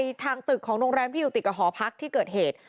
ทางตึกของโรงแรมที่อยู่ติดกับหอพักที่เกิดเหตุ